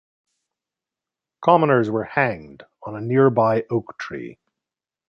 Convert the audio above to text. Commoners were hanged on a nearby oak tree.